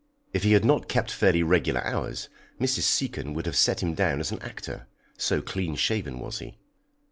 If he had not kept fairly regular hours, Mrs. Seacon would have set him down as an actor, so clean shaven was he.